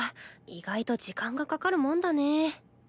意外と時間がかかるもんだねぇ。